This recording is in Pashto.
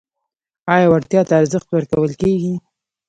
آیا وړتیا ته ارزښت ورکول کیږي؟